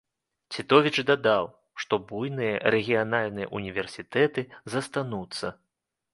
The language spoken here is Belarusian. Цітовіч дадаў, што буйныя рэгіянальныя ўніверсітэты застануцца.